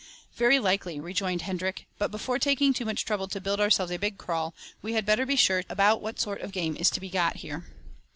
"Very likely," rejoined Hendrik; "but before taking too much trouble to build ourselves a big kraal, we had better be sure about what sort of game is to be got here."